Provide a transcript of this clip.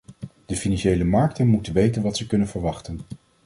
De financiële markten moeten weten wat ze kunnen verwachten.